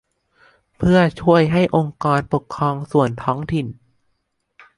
เพื่อช่วยให้องค์กรปกครองส่วนท้องถิ่น